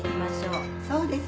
そうです。